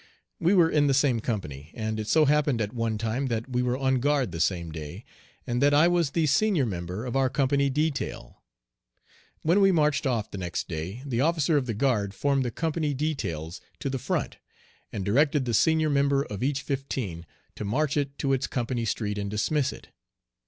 We were in the same company, and it so happened at one time that we were on guard the same day, and that I was the senior member of our company detail. When we marched off the next day the officer of the guard formed the company details to the front, and directed the senior member of each fifteen to march it to its company street and dismiss it.